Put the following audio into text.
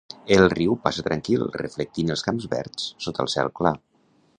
El riu passa tranquil, reflectint els camps verds sota el cel clar.